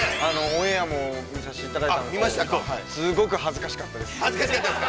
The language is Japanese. オンエアも見させていただいたんですが、すごく恥ずかしかったです。